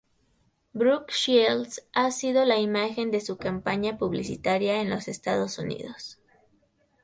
Brooke Shields ha sido la imagen de su campaña publicitaria en los Estados Unidos.